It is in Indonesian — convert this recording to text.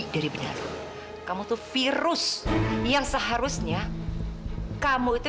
dari jeratan perempuan penipu itu